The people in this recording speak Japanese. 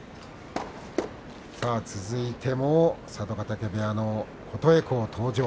続いても佐渡ヶ嶽部屋の琴恵光が登場。